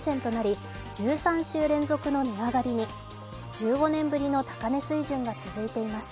１５年ぶりの高値水準が続いています。